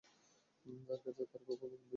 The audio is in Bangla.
তার কাছে কি তোর কুকর্মের কোন ভিডিও আছে?